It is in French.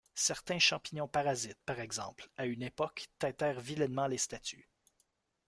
Certains champignons parasites par exemple, à une époque, teintèrent vilainement les statues.